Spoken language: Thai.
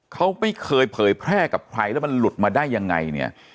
เขาไม่เคยเผยแพร่กับใครแล้วมันหลุดมาได้ยังไงเนี่ย